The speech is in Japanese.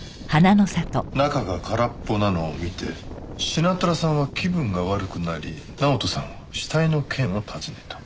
中が空っぽなのを見てシナトラさんは気分が悪くなり直人さんが死体の件を尋ねた。